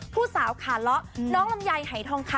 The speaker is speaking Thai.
ผู้สาวขาละน้องลำยัยหายทองค่ะ